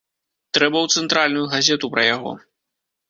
Трэба ў цэнтральную газету пра яго.